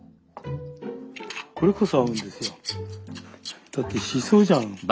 これこそ合うんですよ。